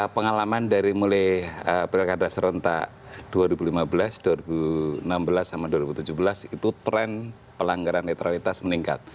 pengalaman dari mulai pilkada serentak dua ribu lima belas dua ribu enam belas sama dua ribu tujuh belas itu tren pelanggaran netralitas meningkat